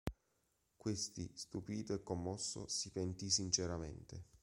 Questi stupito e commosso si pentì sinceramente.